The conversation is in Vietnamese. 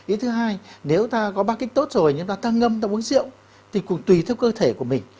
ý thứ hai nếu ta có ba kích tốt rồi nhưng mà ta ngâm ta uống rượu thì cũng tùy theo cơ thể của mình